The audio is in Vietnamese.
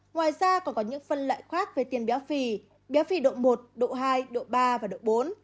ngoài ra còn có những phân loại khác về tiền béo phì bé độ một độ hai độ ba và độ bốn